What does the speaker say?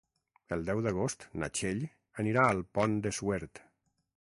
El deu d'agost na Txell anirà al Pont de Suert.